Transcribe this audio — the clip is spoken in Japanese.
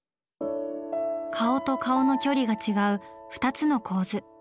顔と顔の距離が違う２つの構図。